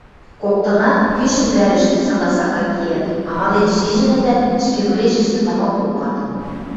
Коктынат кӱшӹл вӓрӹштӹ сага-сага киӓт, амален шижӹнӹтӓт, ӹшкедурешӹштӹ тамам попат.